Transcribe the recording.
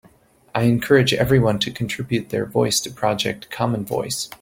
I encourage everyone to contribute their voice to Project Common Voice.